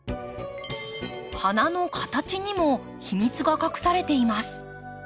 花の形にも秘密が隠されています。